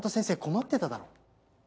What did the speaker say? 困ってただろ。